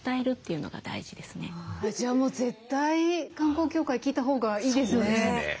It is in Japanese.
じゃあもう絶対観光協会聞いたほうがいいですよね。